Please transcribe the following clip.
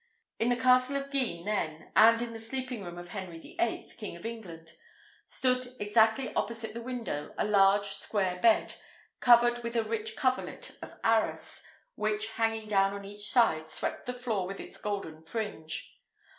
In the castle of Guisnes, then, and in the sleeping room of Henry the Eighth, King of England, stood, exactly opposite the window, a large square bed, covered with a rich coverlet of arras, which, hanging down on each side, swept the floor with its golden fringe.